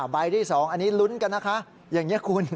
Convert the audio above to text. ใบที่๒อันนี้ลุ้นกันนะคะอย่างนี้คุณ